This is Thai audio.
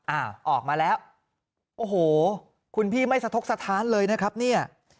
อ่าออกมาแล้วโอ้โหคุณพี่ไม่สะทกสถานเลยนะครับเนี่ย